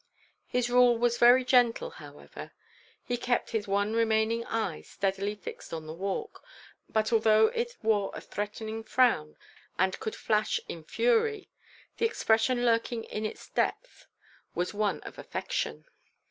His rule was very gentle, however. He kept his one remaining eye steadily fixed on the Walk; but although it wore a threatening frown and could flash in fury, the expression lurking in its depth was one of affection.